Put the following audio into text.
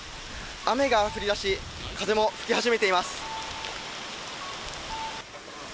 雨が降り出し風も吹き始めています。